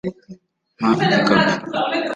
mpa igikapu